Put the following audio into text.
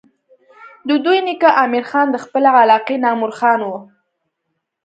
د دوي نيکه امير خان د خپلې علاقې نامور خان وو